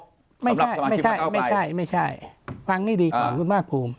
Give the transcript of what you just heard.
สำหรับสมาชิกประเภทไกลไม่ใช่ฟังให้ดีของคุณบ้านภูมิ